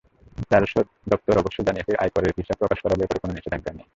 রাজস্ব দপ্তর অবশ্য জানিয়েছে, আয়করের হিসাব প্রকাশ করার ব্যাপারে কোনো নিষেধাজ্ঞা নেই।